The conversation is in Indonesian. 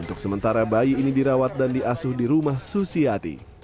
untuk sementara bayi ini dirawat dan diasuh di rumah susiati